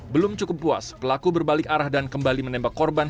belum cukup puas pelaku berbalik arah dan kembali menembak korban